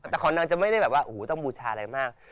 แต่ของนางจะไม่ได้แบบว่าโอ้โหต้องบูชาอะไรมาก